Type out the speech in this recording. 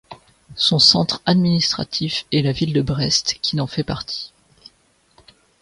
Son centre administratif est la ville de Brest, qui n'en fait partie.